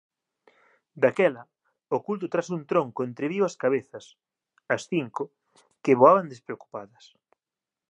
Daquela, oculto tras un tronco, entreviu as cabezas –as cinco–, que voaban despreocupadas.